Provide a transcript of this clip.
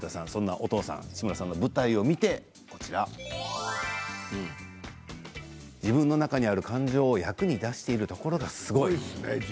お父さんの舞台を見て自分の中にある感情を役に出しているところがすごいと。